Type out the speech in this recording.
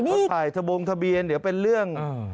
เขาถ่ายทะบงทะเบียนเดี๋ยวเป็นเรื่อง